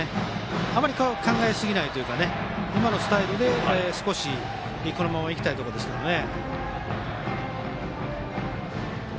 あまり考えすぎないというか今のスタイルでこのままいきたいところですね。